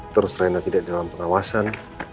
terus raina tidak dalam pengawasan